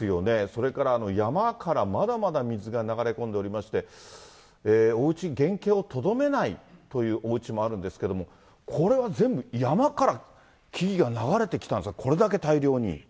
それから山からまだまだ水が流れ込んでおりまして、おうち、原形をとどめないというおうちもあるんですけれども、これは全部、山から木々が流れてきたんですか、これだけ大量に。